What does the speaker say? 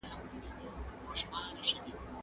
يو بل ته دي د خپلي کورنۍ د غړو مزاجونه وروپيژني.